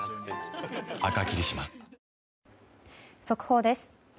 速報です。